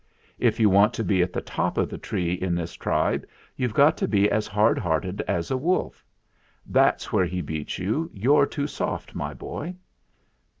If you want to be at the top of the tree in this tribe you've got to be as hard hearted as a wolf. That's where he beats you you're too soft, my boy."